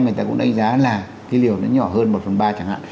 người ta cũng đánh giá là cái liều nó nhỏ hơn một phần ba chẳng hạn